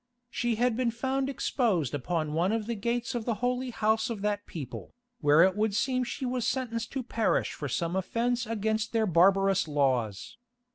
She had been found exposed upon one of the gates of the holy house of that people, where it would seem she was sentenced to perish for some offence against their barbarous laws.